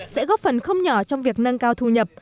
sẽ góp phần không nhỏ trong việc nâng cao thu nhập